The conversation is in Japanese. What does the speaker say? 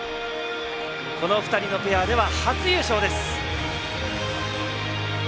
この２人のペアでは初優勝です！